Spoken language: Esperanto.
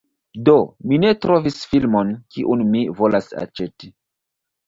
Do, mi ne trovis filmon, kiun mi volas aĉeti